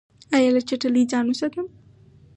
ایا له چټلۍ ځان وساتم؟